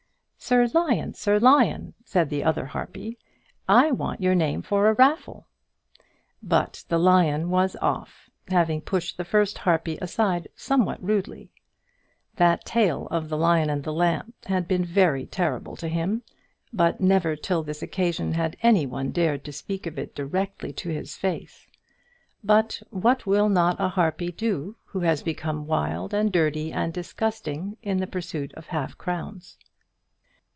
"Sir Lion, Sir Lion," said the other harpy, "I want your name for a raffle." But the lion was off, having pushed the first harpy aside somewhat rudely. That tale of the Lion and the Lamb had been very terrible to him; but never till this occasion had any one dared to speak of it directly to his face. But what will not a harpy do who has become wild and dirty and disgusting in the pursuit of half crowns?